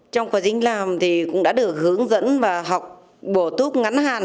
trong quá trình làm thì cũng đã được hướng dẫn và học bổ túc ngắn hạn